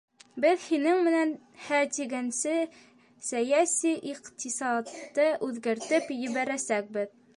Беҙ һинең менән һә тигәнсе сәйәси иҡтисадты үҙгәртеп ебәрәсәкбеҙ.